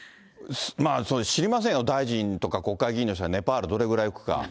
知りませんよ、大臣とか国会議員の人がネパールどれぐらいいくか。